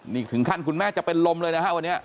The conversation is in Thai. นี่ถึงขั้นคุณแม่จะเป็นลมเลยนะฮะวันนี้